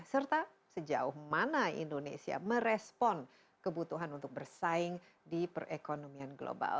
serta sejauh mana indonesia merespon kebutuhan untuk bersaing di perekonomian global